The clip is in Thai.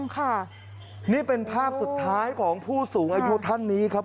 ค่ะนี่เป็นภาพสุดท้ายของผู้สูงอายุท่านนี้ครับ